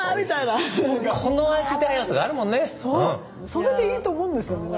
それでいいと思うんですよね。